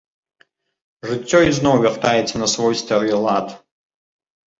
Жыццё ізноў вяртаецца на свой стары лад.